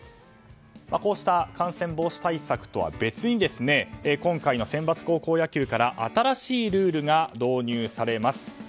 こうした感染防止対策とは別に今回のセンバツ高校野球から新しいルールが導入されます。